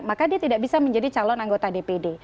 maka dia tidak bisa menjadi calon anggota dpd